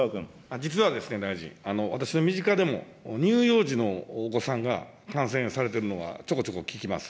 実はですね、大臣、私の身近でも、乳幼児のお子さんが感染されてるのがちょこちょこ聞きます。